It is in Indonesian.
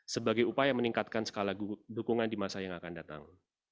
sebagai upaya meningkatkan skala dukungan di masa yang akan datang